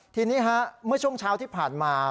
ทีนี้เมื่อช่วงเช้าที่ผ่านมา